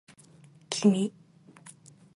君